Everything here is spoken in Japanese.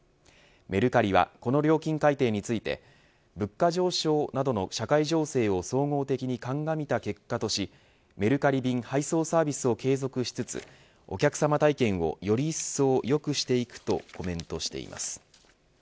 メルカリはこの料金改定について物価上昇などの社会情勢を総合的にかんがみた結果としメルカリ便配送サービスを継続しつつお客様体験をより一層良くしていくとコメントしています。